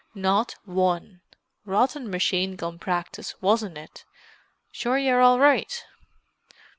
"Not one. Rotten machine gun practice, wasn't it? Sure you're all right?"